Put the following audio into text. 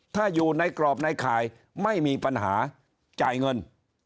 ถ้าอยู่ในกรอบในข่ายไม่มีปัญหาจ่ายเงิน